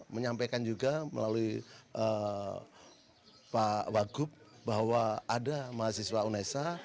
menyampaikan juga melalui pak wagub bahwa ada mahasiswa unesa